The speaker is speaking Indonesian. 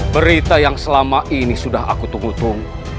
berita yang selama ini sudah aku tunggu tunggu